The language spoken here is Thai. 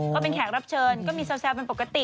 เขาเป็นแขกรับเชิญก็มีแซวเป็นปกติ